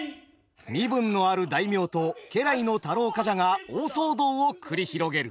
身分のある大名と家来の太郎冠者が大騒動を繰り広げる。